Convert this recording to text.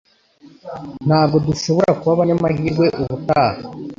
Ntabwo dushobora kuba abanyamahirwe ubutaha